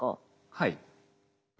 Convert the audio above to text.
はい。